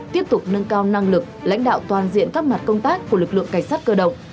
tiếp tục nâng cao năng lực lãnh đạo toàn diện các mặt công tác của lực lượng cảnh sát cơ động